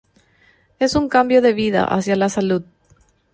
Es un cambio de vida hacia la salud.